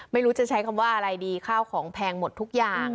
ไม่รู้จะใช้คำว่าอะไรดีข้าวของแพงหมดทุกอย่าง